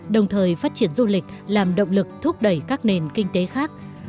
đồng thời phát triển du lịch làm động lực thúc đẩy các nền kinh tế khác